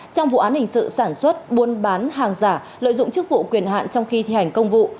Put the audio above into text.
trong vụ án hình sự sản xuất buôn bán hàng giả lợi dụng chức vụ quyền hạn trong khi thi hành công vụ